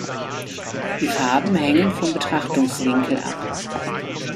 Die Farben hängen vom Betrachtungswinkel ab.